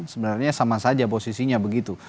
sebenarnya sama saja posisinya begitu